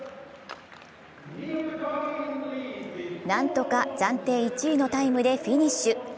何とか暫定１位のタイムでフィニッシュ。